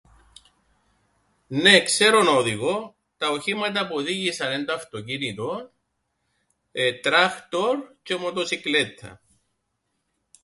Νναι, ξέρω να οδηγώ. Τα οχήματα που οδήγησα εν' το αυτοκίνητον, τράχτορ τζ̆αι μοτοσικλέτταν.